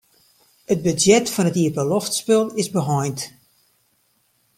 It budzjet fan it iepenloftspul is beheind.